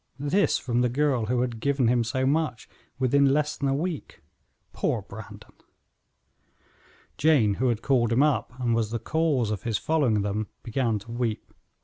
This from the girl who had given him so much within less than a week! Poor Brandon! Jane, who had called him up, and was the cause of his following them, began to weep.